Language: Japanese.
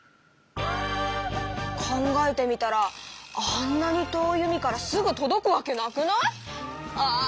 考えてみたらあんなに遠い海からすぐとどくわけなくない⁉ああ